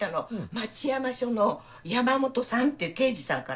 町山署の山本さんっていう刑事さんから。